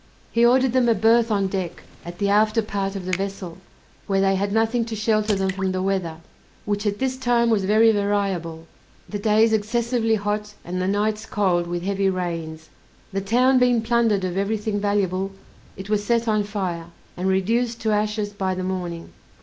He ordered them a berth on deck, at the after part of the vessel, where they had nothing to shelter them from the weather, which at this time was very variable, the days excessively hot, and the nights cold, with heavy rains. The town being plundered of every thing valuable, it was set on fire, and reduced to ashes by the morning.